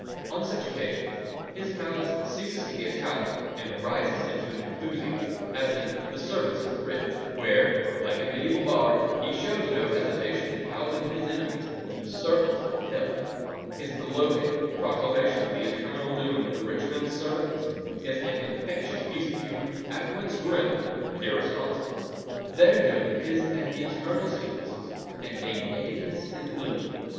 On such occasions his malice ceases to be a talent, and rises into an enthusiasm, as in The Servants of the Rich, where, like a mediaeval bard, he shows no hesitation in housing his enemies in the circles of Hell. His gloating proclamation of the eternal doom of the rich men's servants is an infectious piece of humour, at once grim and irresponsible:— Their doom is an eternal sleeplessness and a nakedness in the gloom....